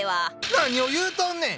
何を言うとんねん！